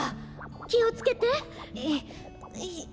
きをつけて。